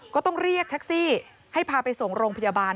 ก็ต้องเรียกแท็กซี่ให้พาไปส่งโรงพยาบาล